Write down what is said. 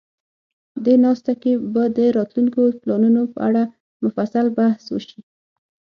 دې ناسته کې به د راتلونکو پلانونو په اړه مفصل بحث وشي.